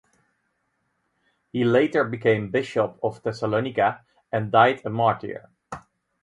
He later became Bishop of Thessalonika and died a martyr.